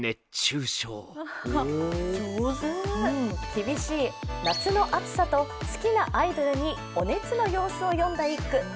厳しい夏の暑さと好きなアイドルにお熱の様子を詠んだ一句。